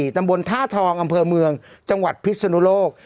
ตำบลท่าทองอำเภอเมืองจังหวัดพิศนุโลก